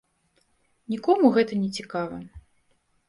Нікому гэта не цікава.